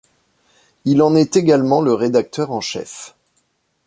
Il en est également le rédacteur en chef.